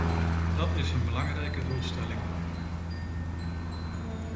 Dat is een belangrijke doelstelling.